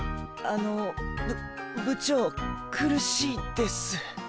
あのぶ部長苦しいです。